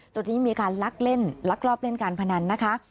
จุดนี้มีการลักเล่นลักลอบเล่นการพนันนะคะ